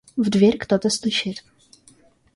В дверь кто-то стучит.